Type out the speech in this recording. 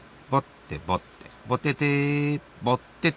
ぼててぼってて。